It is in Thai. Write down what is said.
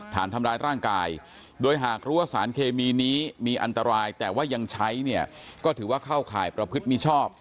ฐานทำร้ายร่างกายโดยหากรู้ว่าสารเคมีนี้มีอันตรายแต่ว่ายังใช้เนี่ยก็ถือว่าเข้าข่ายประพฤติมิชอบ